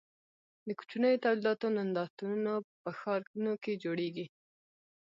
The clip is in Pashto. د کوچنیو تولیداتو نندارتونونه په ښارونو کې جوړیږي.